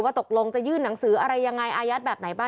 ว่าตกลงจะยื่นหนังสืออายาศอะไรอย่างไรแบบไหน